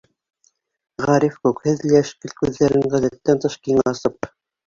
Ғариф, күкһел йәшкелт күҙҙәрен ғәҙәттән тыш киң асып: